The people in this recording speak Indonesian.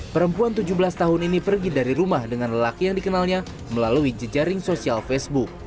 perempuan tujuh belas tahun ini pergi dari rumah dengan lelaki yang dikenalnya melalui jejaring sosial facebook